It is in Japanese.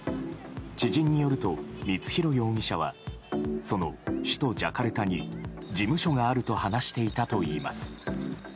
知人によると光弘容疑者はその首都ジャカルタに事務所があると話していたといいます。